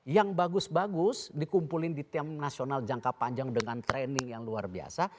yang bagus bagus dikumpulin di tim nasional jangka panjang dengan training yang luar biasa